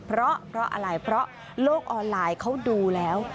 เพราะอะไรเพราะโลกออนไลน์เขาดูแล้ว